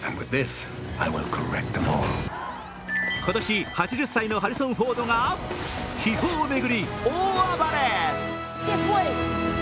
今年８０歳のハリソン・フォードが秘宝を巡り、大暴れ。